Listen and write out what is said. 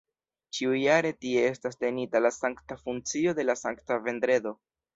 Ĉiujare tie estas tenita la sankta funkcio de la Sankta Vendredo.